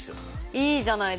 いいじゃないですか！